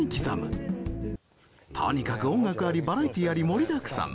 とにかく音楽ありバラエティーあり盛りだくさん。